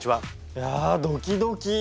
いやドキドキ。